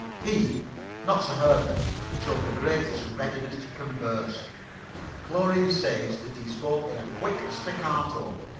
He not Sir Herbert showed the greatest readiness to converse. Chlorine says that he spoke in a quick staccato.